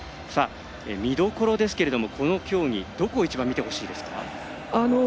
見どころですが、この競技どこを一番見てほしいですか。